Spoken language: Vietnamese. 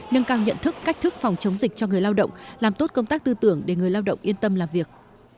nâng cao nhận thức cách thức phòng chống dịch cho người lao động làm tốt công tác tư tưởng để người lao động yên tâm làm việc